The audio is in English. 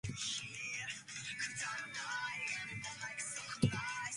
He studied piano with local teachers.